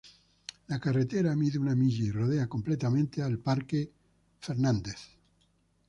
La carretera mide una milla y rodea completamente el Parque Aldrich.